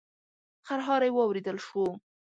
خرهاری واورېدل شو.